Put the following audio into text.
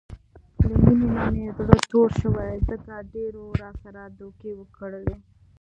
له مینې نه مې زړه تور شوی، ځکه ډېرو راسره دوکې وکړلې.